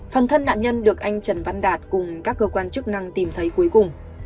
phần thân nạn nhân được anh trần văn đạt cùng các cơ quan chức năng tìm thấy cuối cùng